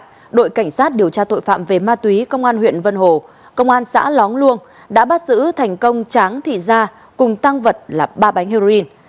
trước đó đội cảnh sát điều tra tội phạm về ma túy công an huyện vân hồ công an xã lóng luông đã bắt giữ thành công tráng thị gia cùng tăng vật là ba bánh heroin